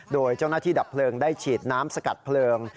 โดยเจ้าหน้าที่ดับเพลิงได้ฉีดน้ำสกัดเพลิง